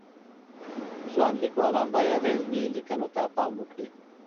ځوان لیکوالان باید علمی لیکنو ته پام وکړي